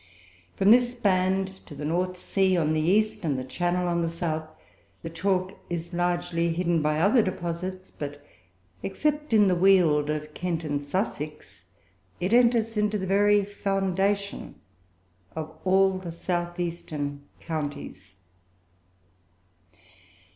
From this band to the North Sea, on the east, and the Channel, on the south, the chalk is largely hidden by other deposits; but, except in the Weald of Kent and Sussex, it enters into the very foundation of all the south eastern counties.